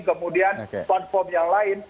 kemudian platform yang lain